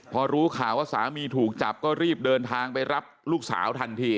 พอรู้ข่าวว่าสามีถูกจับก็รีบเดินทางไปรับลูกสาวทันที